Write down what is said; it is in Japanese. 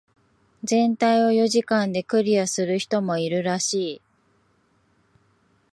全体を四時間でクリアする人もいるらしい。